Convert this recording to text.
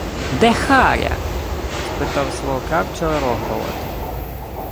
— Де Харя? — спитав свого кравчого Рогволод.